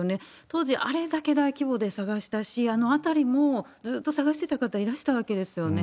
当時、あれだけ大規模で捜したし、あの辺りもずーっと捜してた方いらしたわけですよね。